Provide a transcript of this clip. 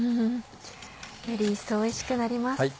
より一層おいしくなります。